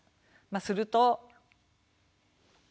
すると。